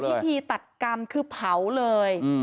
พิธีตัดกรรมคือเผาเลย